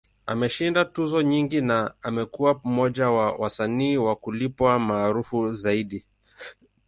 Ameshinda tuzo nyingi, na amekuwa mmoja wa wasanii wa kulipwa maarufu zaidi.